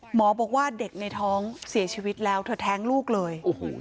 หมอบอกว่าเด็กในท้องเสียชีวิตแล้วเธอแท้งลูกเลย